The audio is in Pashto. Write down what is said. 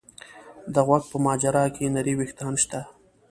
د غوږ په مجرا کې نري وېښتان شته.